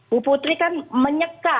bu putri kan menyeka